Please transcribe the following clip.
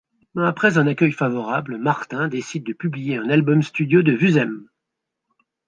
Après un accueil favorable, Martin décide de publier un album studio de Vuzem.